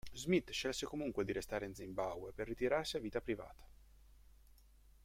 Smith scelse comunque di restare in Zimbabwe per ritirarsi a vita privata.